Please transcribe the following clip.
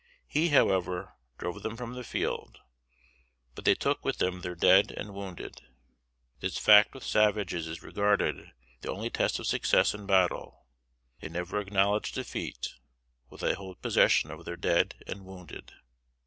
He, however, drove them from the field, but they took with them their dead and wounded. This fact with savages is regarded the only test of success in battle: they never acknowledge defeat while they hold possession of their dead and wounded.